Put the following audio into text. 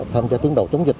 tham gia tuyến đầu chống dịch